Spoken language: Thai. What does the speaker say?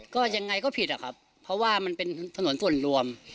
ก็ยังไงก็ผิดอะครับเพราะว่ามันเป็นถนนส่วนรวม